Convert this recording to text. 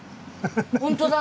本当だ。